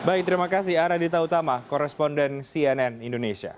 baik terima kasih aradita utama koresponden cnn indonesia